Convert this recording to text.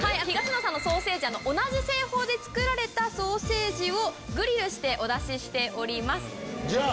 東野さんのソーセージ同じ製法で作られたソーセージをグリルしてお出ししております。